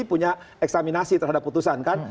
punya eksaminasi terhadap putusan kan